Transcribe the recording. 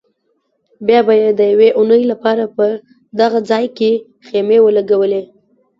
بیا به یې د یوې اونۍ لپاره په دغه ځای کې خیمې ولګولې.